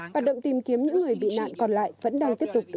hoạt động tìm kiếm những người bị nạn còn lại vẫn đang tiếp tục được triệt khai